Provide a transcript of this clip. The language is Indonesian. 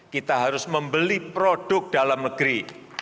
kita harus membeli produk dalam negeri